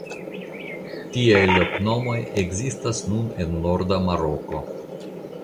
Tiaj loknomoj ekzistas nun en norda Maroko.